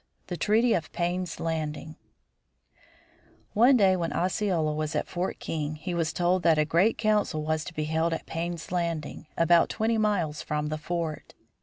V. THE TREATY OF PAYNE'S LANDING One day when Osceola was at Fort King he was told that a great council was to be held at Payne's Landing, about twenty miles from the fort.